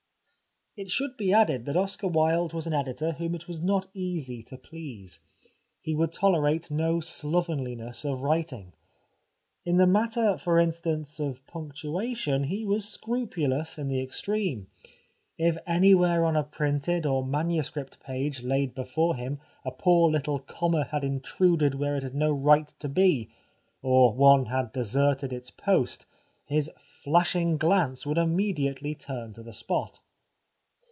It should be added that Oscar Wilde was an editor whom it was not easy to please. He would tolerate no slovenliness of writing. In the matter, for instance, of punctuation he was scrupulous in the extreme. If anywhere on a printed or manuscript page laid before him a poor little comma had intruded where it had no right to be, or one had deserted its post, his flashing glance would immediately turn to the spot.